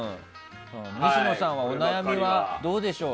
西野さんはお悩みはどうでしょう。